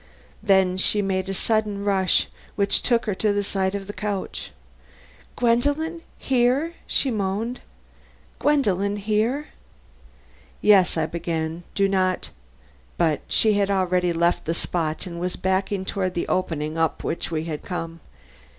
Then she made a sudden rush which took her to the side of the couch. "Gwendolen here?" she moaned, "Gwendolen here?" "Yes," I began; "do not " But she had already left the spot and was backing toward the opening up which we had come.